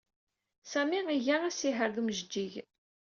Sami iga asihaṛ ed umjeǧǧig.